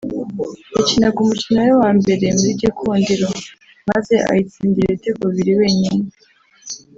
yakinaga umukino we wa Mbere muri Gikundiro maze ayitsindira ibitego bibiri wenyine